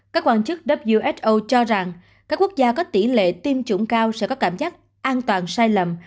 các quan chức who cho rằng các quốc gia có tỷ lệ tiêm chủng cao sẽ có cảm giác an toàn sai lầm